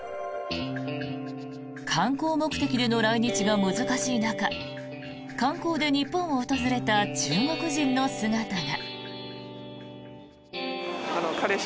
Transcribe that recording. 観光目的での来日が難しい中観光で日本を訪れた中国人の姿が。